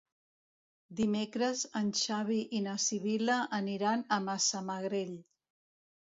Dimecres en Xavi i na Sibil·la aniran a Massamagrell.